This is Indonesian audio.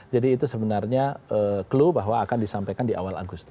jadi itu sebenarnya clue bahwa akan disampaikan di awal agustus